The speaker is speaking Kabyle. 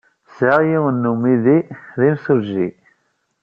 Sɛiɣ yiwen n umidi d imsujji.